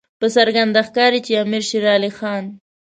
په څرګنده ښکاري چې امیر شېر علي خان.